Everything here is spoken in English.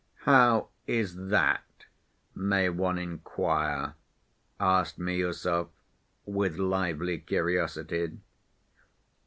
"How is that, may one inquire?" asked Miüsov, with lively curiosity.